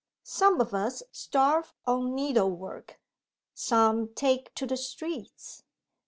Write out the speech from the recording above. "Some of us starve on needlework. Some take to the streets.